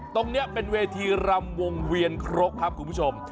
ตรงนี้เป็นเวทีรำวงเวียนครกครับคุณผู้ชม